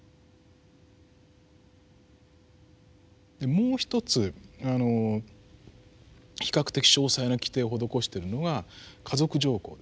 もうひとつあの比較的詳細な規定を施してるのが家族条項ですね。